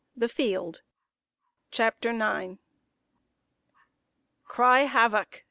THE FIELD. CHAPTER IX. Cry Havoc!